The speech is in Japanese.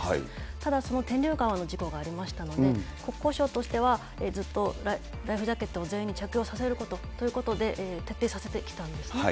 ただ、その天竜川の事故がありましたので、国交省としては、ずっとライフジャケットを全員に着用させるということで、徹底させてきたんですね。